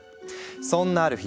そんなある日。